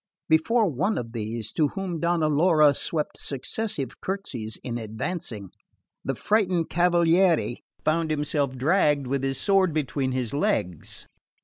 Before one of these, to whom Donna Laura swept successive curtsies in advancing, the frightened cavaliere found himself dragged with his sword between his legs.